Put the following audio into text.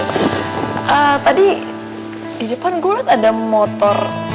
eh tadi di depan gue liat ada motor